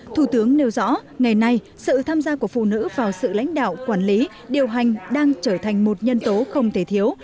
thủ tướng nêu rõ ngày nay sự tham gia của phụ nữ vào sự lãnh đạo quản lý điều hành đang trở thành một nhân tố không thể thiếu